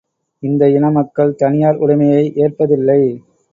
இந்த இன மக்கள் தனியார் உடைமையை ஏற்பதில்லை.